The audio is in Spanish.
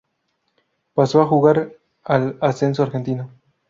Pasó a jugar al ascenso argentino.